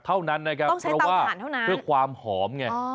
เท่านั้นนะครับเพราะว่าเพื่อความหอมไง